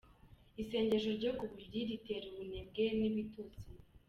Isengesho ryo ku buriri ritera ubunebwe n’ibitotsi !.